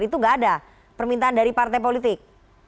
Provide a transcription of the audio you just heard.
itu nggak ada permintaan dari partai politik